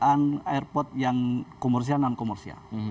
yang airport yang komersial dan non komersial